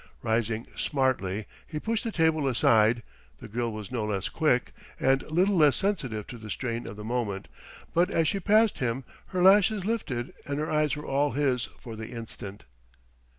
Rising smartly, he pushed the table aside. The girl was no less quick, and little less sensitive to the strain of the moment; but as she passed him her lashes lifted and her eyes were all his for the instant.